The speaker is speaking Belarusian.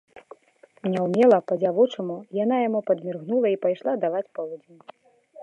Няўмела, па-дзявочаму, яна яму падміргнула і пайшла даваць полудзень.